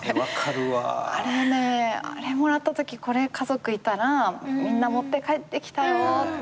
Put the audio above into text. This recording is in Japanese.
あれもらったときこれ家族いたらみんな持って帰ってきたよ！